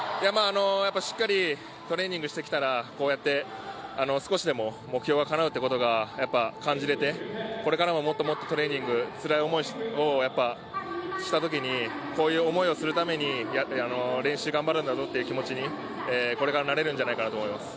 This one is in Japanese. しっかりトレーニングしてきたら、こうやって少しでも目標がかなうっていうことが感じられて、これからも、もっともっとトレーニングでつらい思いをしたときにこういう思いをするために練習頑張るんだぞっていう気持ちにこれからなれるんじゃないかと思います。